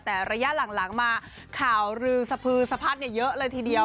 แต่ระยะหลังมาข่าวรือสะพือสะพัดเยอะเลยทีเดียว